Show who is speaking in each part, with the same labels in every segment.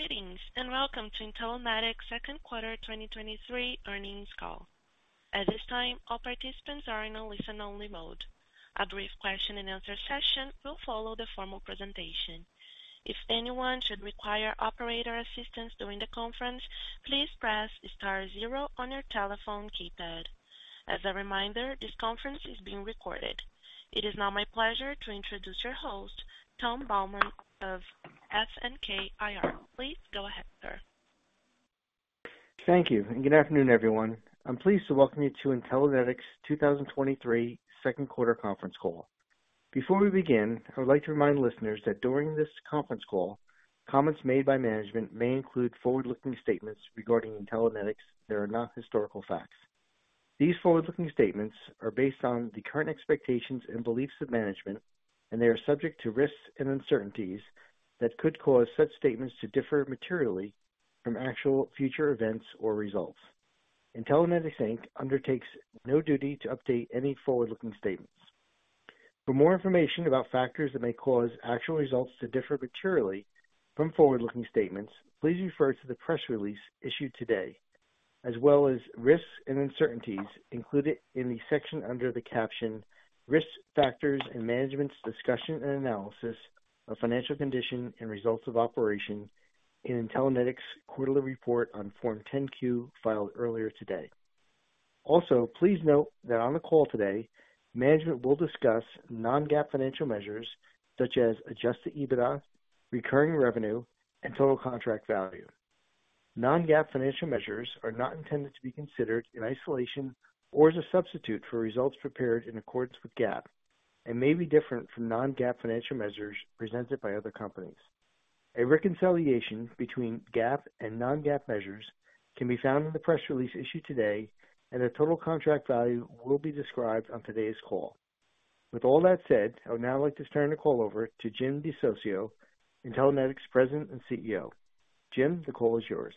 Speaker 1: Greetings, and Welcome to Intellinetics Second Quarter 2023 Earnings Call. At this time, all participants are in a listen-only mode. A brief question and answer session will follow the formal presentation. If anyone should require operator assistance during the conference, please press star zero on your telephone keypad. As a reminder, this conference is being recorded. It is now my pleasure to introduce your host, Tom Baumann of FNK IR. Please go ahead, sir.
Speaker 2: Thank you, and good afternoon, everyone. I'm pleased to welcome you to Intellinetics' 2023 Second Quarter Conference Call. Before we begin, I would like to remind listeners that during this conference call, comments made by management may include forward-looking statements regarding Intellinetics that are not historical facts. These forward-looking statements are based on the current expectations and beliefs of management, and they are subject to risks and uncertainties that could cause such statements to differ materially from actual future events or results. Intellinetics, Inc. undertakes no duty to update any forward-looking statements. For more information about factors that may cause actual results to differ materially from forward-looking statements, please refer to the press release issued today, as well as risks and uncertainties included in the section under the caption Risk Factors and Management's Discussion and Analysis of Financial Condition and Results of Operations in Intellinetics' quarterly report on Form 10-Q filed earlier today. Also, please note that on the call today, management will discuss non-GAAP financial measures such as adjusted EBITDA, recurring revenue, and total contract value. Non-GAAP financial measures are not intended to be considered in isolation or as a substitute for results prepared in accordance with GAAP and may be different from non-GAAP financial measures presented by other companies. A reconciliation between GAAP and non-GAAP measures can be found in the press release issued today, and the total contract value will be described on today's call. With all that said, I would now like to turn the call over to Jim DeSocio, Intellinetics President and CEO. Jim, the call is yours.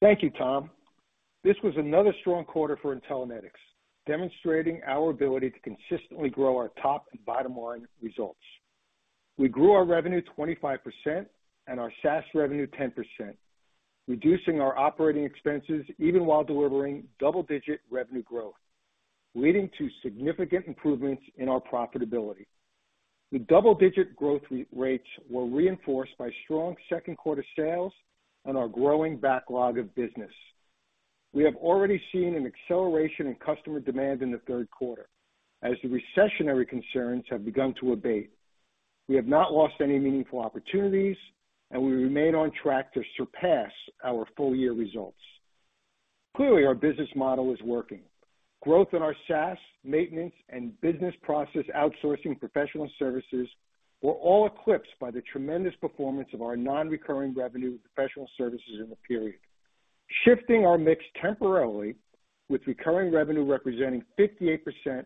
Speaker 3: Thank you, Tom. This was another strong quarter for Intellinetics, demonstrating our ability to consistently grow our top and bottom line results. We grew our revenue 25% and our SaaS revenue 10%, reducing our operating expenses even while delivering double-digit revenue growth, leading to significant improvements in our profitability. The double-digit growth rates were reinforced by strong second quarter sales and our growing backlog of business. We have already seen an acceleration in customer demand in the third quarter as the recessionary concerns have begun to abate. We have not lost any meaningful opportunities, and we remain on track to surpass our full year results. Clearly, our business model is working. Growth in our SaaS, maintenance, and business process outsourcing Professional Services were all eclipsed by the tremendous performance of our non-recurring revenue Professional Services in the period, shifting our mix temporarily, with recurring revenue representing 58%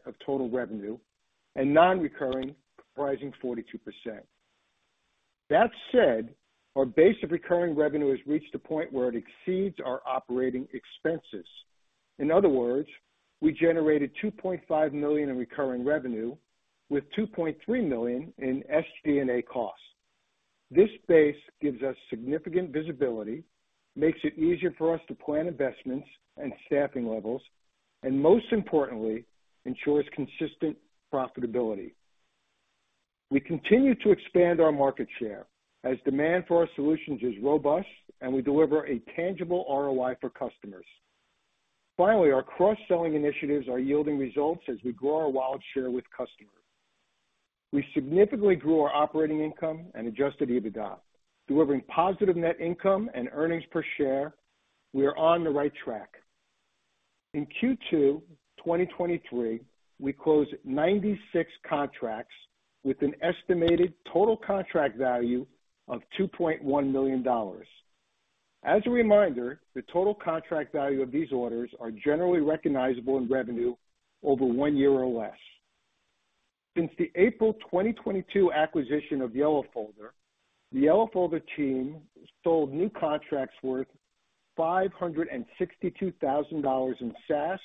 Speaker 3: of total revenue and non-recurring comprising 42%. That said, our base of recurring revenue has reached a point where it exceeds our operating expenses. In other words, we generated $2.5 million in recurring revenue with $2.3 million in SG&A costs. This base gives us significant visibility, makes it easier for us to plan investments and staffing levels, and most importantly, ensures consistent profitability. We continue to expand our market share as demand for our solutions is robust and we deliver a tangible ROI for customers. Finally, our cross-selling initiatives are yielding results as we grow our wallet share with customers. We significantly grew our operating income and adjusted EBITDA, delivering positive net income and earnings per share. We are on the right track. In Q2 2023, we closed 96 contracts with an estimated total contract value of $2.1 million. As a reminder, the total contract value of these orders are generally recognizable in revenue over one year or less. Since the April 2022 acquisition of YellowFolder, the YellowFolder team sold new contracts worth $562,000 in SaaS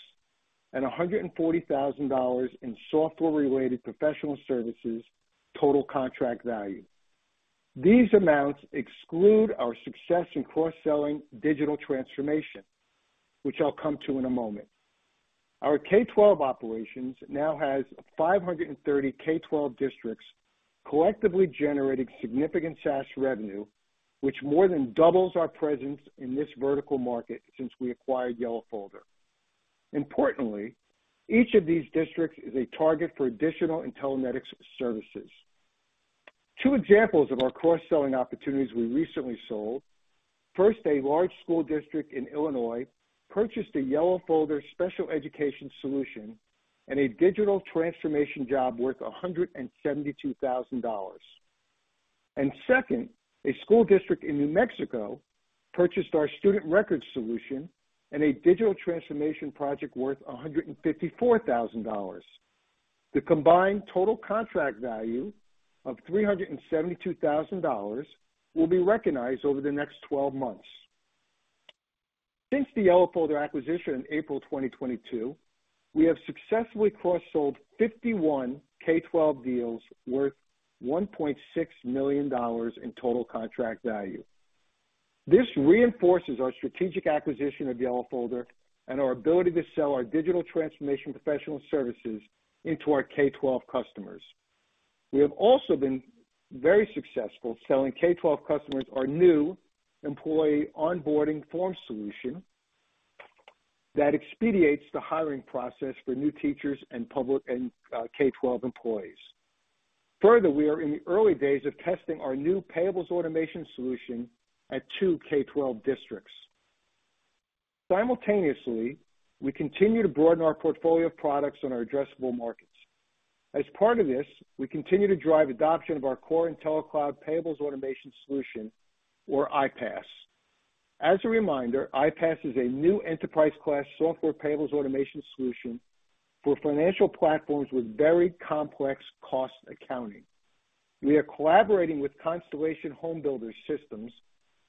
Speaker 3: and $140,000 in software-related Professional Services total contract value. These amounts exclude our success in cross-selling digital transformation, which I'll come to in a moment. Our K-12 operations now has 530 K-12 districts, collectively generating significant SaaS revenue, which more than doubles our presence in this vertical market since we acquired YellowFolder. Importantly, each of these districts is a target for additional Intellinetics services. Two examples of our cross-selling opportunities we recently sold. First, a large school district in Illinois purchased a YellowFolder special education solution and a digital transformation job worth $172,000. Second, a school district in New Mexico purchased our student records solution and a digital transformation project worth $154,000. The combined total contract value of $372,000 will be recognized over the next 12 months. Since the YellowFolder acquisition in April 2022, we have successfully cross-sold 51 K-12 deals worth $1.6 million in total contract value. This reinforces our strategic acquisition of YellowFolder and our ability to sell our digital transformation Professional Services into our K-12 customers. We have also been very successful selling K-12 customers our new employee onboarding form solution that expedites the hiring process for new teachers and public and K-12 employees. Further, we are in the early days of testing our new payables automation solution at 2 K-12 districts. Simultaneously, we continue to broaden our portfolio of products on our addressable markets. As part of this, we continue to drive adoption of our core IntelliCloud Payables Automation Solution, or IPAS. As a reminder, IPAS is a new enterprise-class software payables automation solution for financial platforms with very complex cost accounting. We are collaborating with Constellation HomeBuilder Systems,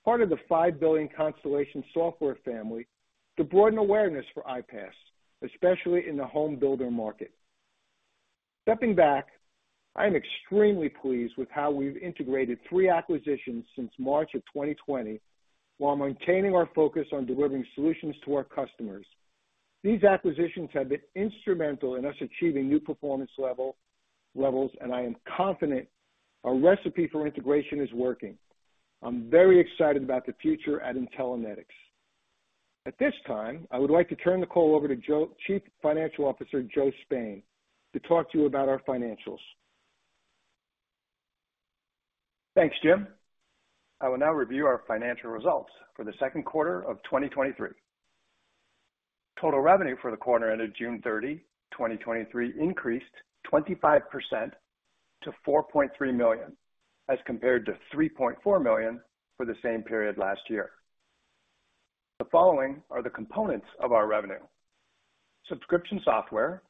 Speaker 3: part of the $5 billion Constellation Software family, to broaden awareness for IPAS, especially in the home builder market. Stepping back, I am extremely pleased with how we've integrated three acquisitions since March of 2020, while maintaining our focus on delivering solutions to our customers. These acquisitions have been instrumental in us achieving new performance levels, I am confident our recipe for integration is working. I'm very excited about the future at Intellinetics. At this time, I would like to turn the call over to Chief Financial Officer Joe Spain, to talk to you about our financials.
Speaker 4: Thanks, Jim. I will now review our financial results for the second quarter of 2023. Total revenue for the quarter ended June 30, 2023, increased 25% to $4.3 million, as compared to $3.4 million for the same period last year. The following are the components of our revenue. Subscription software,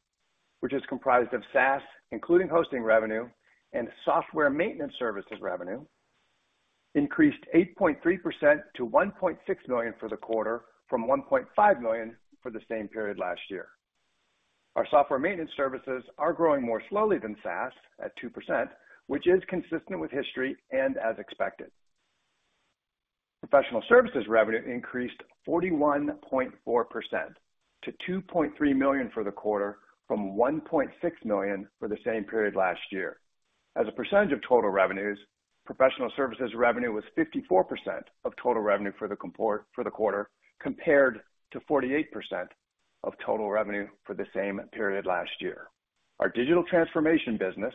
Speaker 4: which is comprised of SaaS, including hosting revenue and Software maintenance services revenue, increased 8.3% to $1.6 million for the quarter, from $1.5 million for the same period last year. Our Software maintenance services are growing more slowly than SaaS at 2%, which is consistent with history and as expected. Professional Services revenue increased 41.4% to $2.3 million for the quarter, from $1.6 million for the same period last year. As a % of total revenues, Professional Services revenue was 54% of total revenue for the quarter, compared to 48% of total revenue for the same period last year. Our digital transformation business,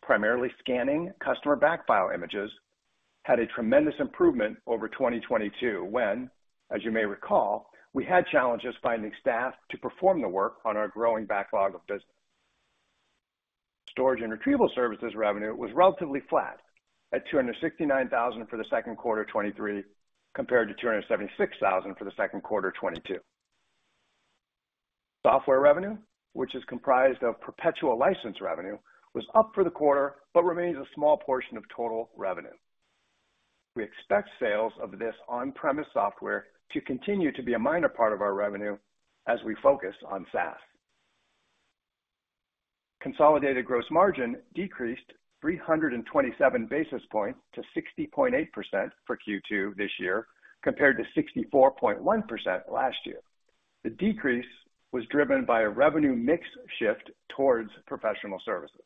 Speaker 4: primarily scanning customer backfile images, had a tremendous improvement over 2022, when, as you may recall, we had challenges finding staff to perform the work on our growing backlog of business. Storage and retrieval services revenue was relatively flat at $269,000 for the second quarter of 2023, compared to $276,000 for the second quarter of 2022. Software revenue, which is comprised of perpetual license revenue, was up for the quarter, but remains a small portion of total revenue. We expect sales of this on-premise software to continue to be a minor part of our revenue as we focus on SaaS. Consolidated gross margin decreased 327 basis points to 60.8% for Q2 this year, compared to 64.1% last year. The decrease was driven by a revenue mix shift towards Professional Services.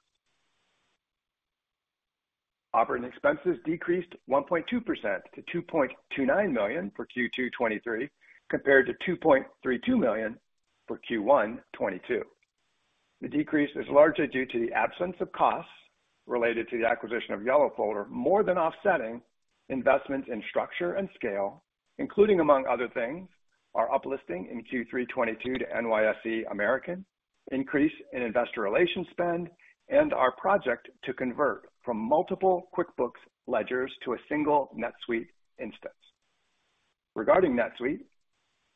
Speaker 4: Operating expenses decreased 1.2% to $2.29 million for Q2 2023, compared to $2.32 million for Q1 2022. The decrease is largely due to the absence of costs related to the acquisition of YellowFolder, more than offsetting investments in structure and scale, including, among other things, our uplisting in Q3 2022 to NYSE American, increase in investor relations spend, and our project to convert from multiple QuickBooks ledgers to a single NetSuite instance. Regarding NetSuite,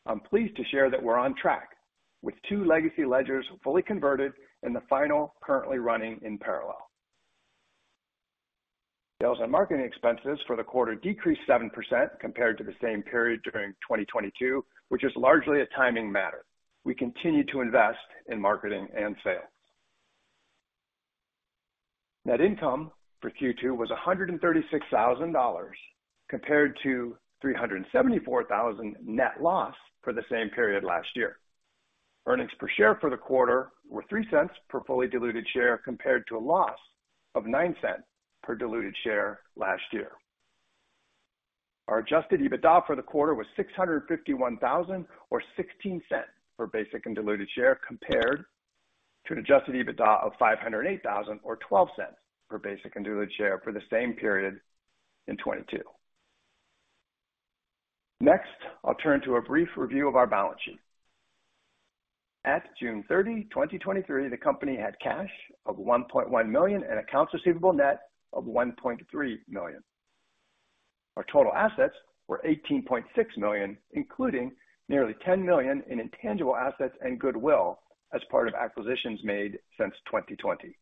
Speaker 4: I'm pleased to share that we're on track, with two legacy ledgers fully converted and the final currently running in parallel. Sales and marketing expenses for the quarter decreased 7% compared to the same period during 2022, which is largely a timing matter. We continue to invest in marketing and sales. Net income for Q2 was $136,000, compared to $374,000 net loss for the same period last year. Earnings per share for the quarter were $0.03 per fully diluted share, compared to a loss of $0.09 per diluted share last year. Our adjusted EBITDA for the quarter was $651,000, or $0.16 per basic and diluted share, compared to an adjusted EBITDA of $508,000 or $0.12 per basic and diluted share for the same period in 2022. I'll turn to a brief review of our balance sheet. At June 30, 2023, the company had cash of $1.1 million and accounts receivable net of $1.3 million. Our total assets were $18.6 million, including nearly $10 million in intangible assets and goodwill as part of acquisitions made since 2020.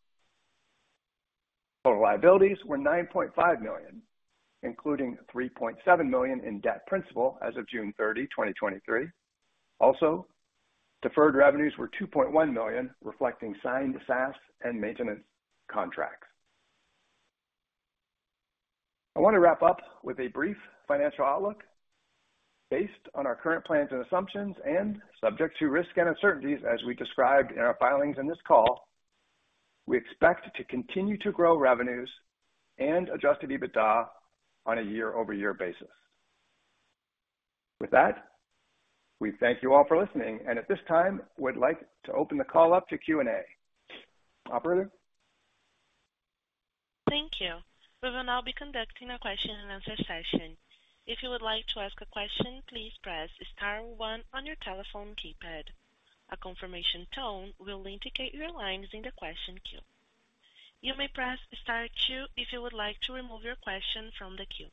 Speaker 4: Total liabilities were $9.5 million, including $3.7 million in debt principal as of June 30, 2023. Also, deferred revenues were $2.1 million, reflecting signed SaaS and maintenance contracts. I want to wrap up with a brief financial outlook. Based on our current plans and assumptions, and subject to risks and uncertainties as we described in our filings in this call, we expect to continue to grow revenues and adjusted EBITDA on a year-over-year basis. With that, we thank you all for listening, and at this time, we'd like to open the call up to Q&A. Operator?
Speaker 1: Thank you. We will now be conducting a question and answer session. If you would like to ask a question, please press star one on your telephone keypad. A confirmation tone will indicate your line is in the question queue. You may press star two if you would like to remove your question from the queue.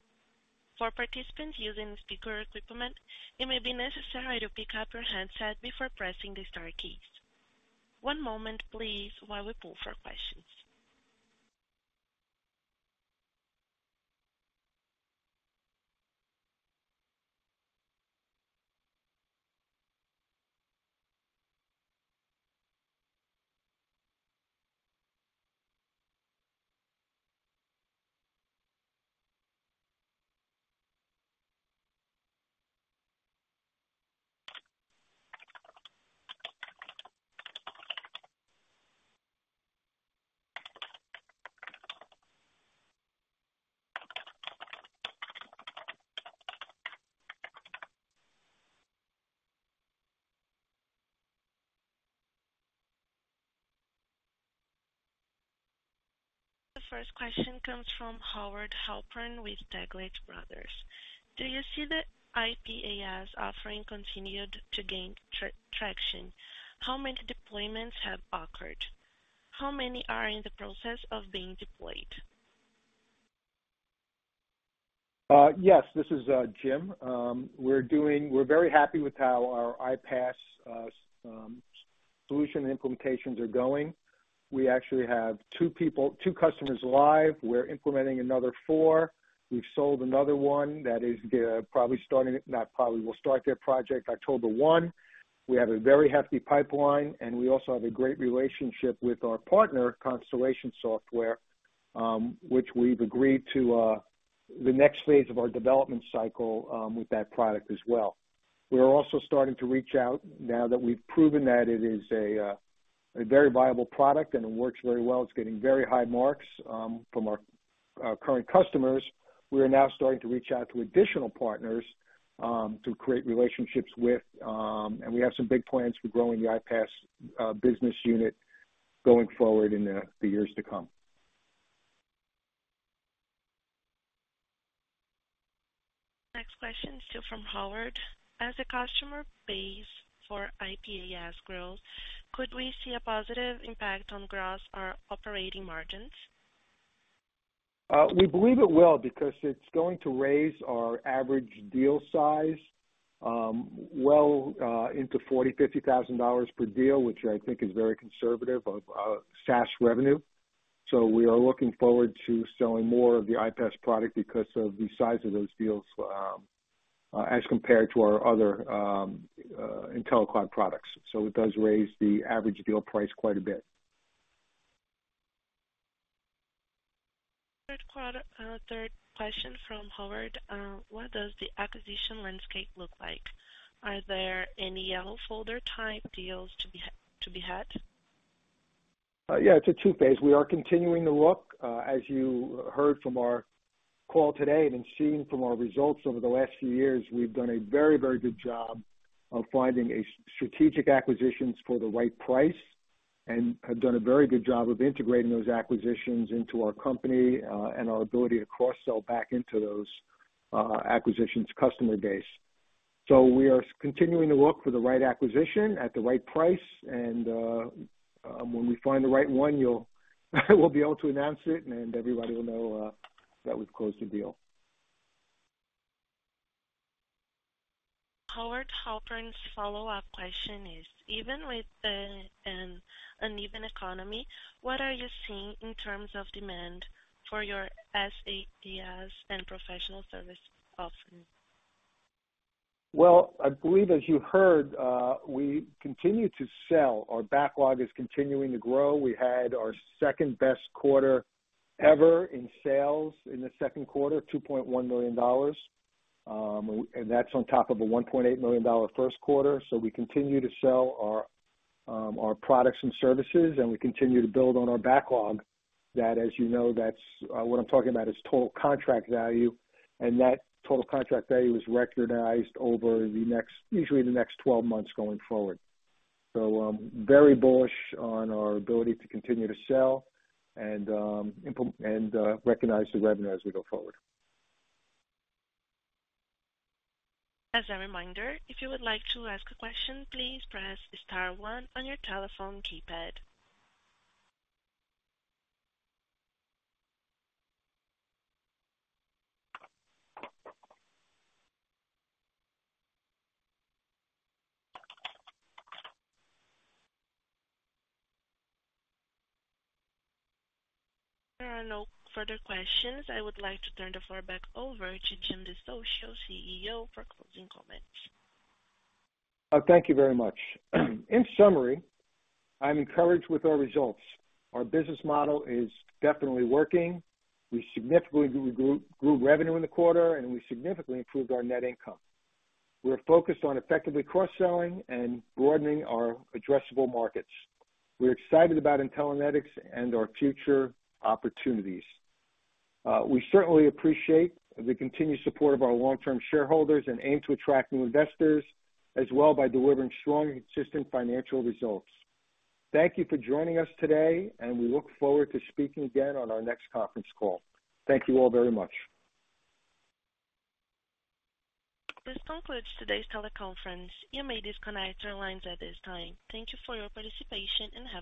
Speaker 1: For participants using speaker equipment, it may be necessary to pick up your handset before pressing the star keys. One moment please, while we pull for questions. The first question comes from Howard Halpern with Taglich Brothers. Do you see the IPAS offering continued to gain traction? How many deployments have occurred? How many are in the process of being deployed?
Speaker 3: Yes, this is Jim. We're very happy with how our IPAS solution implementations are going. We actually have two people, two customers live. We're implementing another four. We've sold another one that is probably starting, not probably, will start their project October 1. We have a very happy pipeline, we also have a great relationship with our partner, Constellation Software, which we've agreed to the next phase of our development cycle with that product as well. We are also starting to reach out now that we've proven that it is a very viable product and it works very well. It's getting very high marks from our, our current customers. We are now starting to reach out to additional partners, to create relationships with, and we have some big plans for growing the IPAS business unit going forward in the, the years to come.
Speaker 1: Next question, still from Howard. As the customer base for IPAS grows, could we see a positive impact on gross or operating margins?
Speaker 3: We believe it will, because it's going to raise our average deal size, well, into $40,000-$50,000 per deal, which I think is very conservative of SaaS revenue. We are looking forward to selling more of the IPAS product because of the size of those deals, as compared to our other IntelliCloud products. It does raise the average deal price quite a bit.
Speaker 1: Third quarter, third question from Howard. What does the acquisition landscape look like? Are there any YellowFolder type deals to be had?
Speaker 3: Yeah, it's a two phase. We are continuing to look. As you heard from our call today and seen from our results over the last few years, we've done a very, very good job of finding a strategic acquisitions for the right price and have done a very good job of integrating those acquisitions into our company, and our ability to cross-sell back into those acquisitions customer base. We are continuing to look for the right acquisition at the right price, and when we find the right one, you'll, we'll be able to announce it, and everybody will know that we've closed the deal.
Speaker 1: Howard Halpern's follow-up question is: Even with the uneven economy, what are you seeing in terms of demand for your SaaS and professional service offering?
Speaker 3: Well, I believe, as you heard, we continue to sell. Our backlog is continuing to grow. We had our second-best quarter ever in sales in the second quarter, $2.1 million. That's on top of a $1.8 million first quarter. We continue to sell our products and services, and we continue to build on our backlog. That, as you know, that's what I'm talking about is total contract value, and that total contract value is recognized over the next, usually the next 12 months going forward. I'm very bullish on our ability to continue to sell and recognize the revenue as we go forward.
Speaker 1: As a reminder, if you would like to ask a question, please press star one on your telephone keypad. There are no further questions. I would like to turn the floor back over to Jim DeSocio, CEO, for closing comments.
Speaker 3: Thank you very much. In summary, I'm encouraged with our results. Our business model is definitely working. We significantly grew, grew revenue in the quarter, and we significantly improved our net income. We're focused on effectively cross-selling and broadening our addressable markets. We're excited about Intellinetics and our future opportunities. We certainly appreciate the continued support of our long-term shareholders and aim to attract new investors as well by delivering strong, consistent financial results. Thank you for joining us today, and we look forward to speaking again on our next conference call. Thank you all very much.
Speaker 1: This concludes today's teleconference. You may disconnect your lines at this time. Thank you for your participation, and have a-